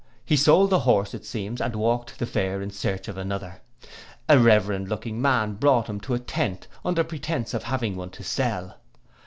He sold the horse, it seems, and walked the fair in search of another. A reverend looking man brought him to a tent, under pretence of having one to sell.